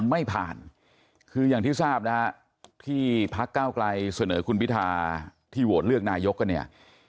ไม่ผ่านคืออย่างที่ทราบนะฮะที่พักเก้าไกลเสนอคุณพิธาที่โหวตเลือกนายกกันเนี่ย